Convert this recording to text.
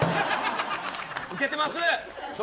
ウケてます。